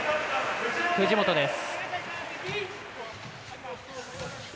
藤本です。